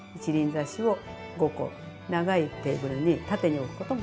挿しを５個長いテーブルに縦に置くことも。